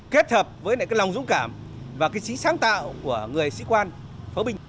kết hợp với lại cái lòng dũng cảm và cái sĩ sáng tạo của người sĩ quan pháo binh